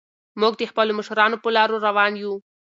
موږ د خپلو مشرانو په لارو روان یو.